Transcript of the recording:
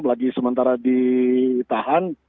yang lagi sementara ditahan